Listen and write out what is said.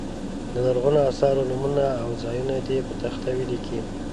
د لرغونو اثارو نومونه او ځایونه دې په تخته ولیکي.